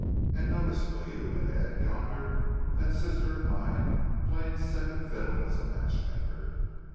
And notice, will you, ahead yonder, that sister of mine playing second fiddle as a matchmaker.